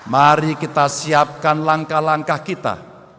mari kita siapkan langkah langkah kita